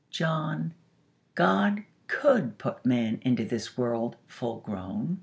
John, God could put Man into this world, full grown.